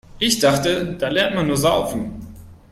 Ich dachte, da lernt man nur Saufen.